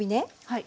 はい。